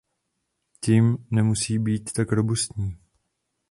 Tím nemusí být tak robustní.